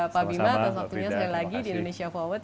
pak bima atas waktunya sekali lagi di indonesia forward